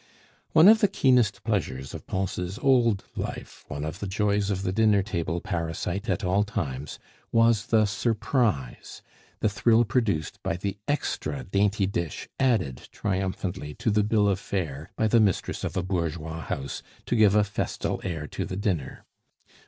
One of the keenest pleasures of Pons' old life, one of the joys of the dinner table parasite at all times, was the "surprise," the thrill produced by the extra dainty dish added triumphantly to the bill of fare by the mistress of a bourgeois house, to give a festal air to the dinner.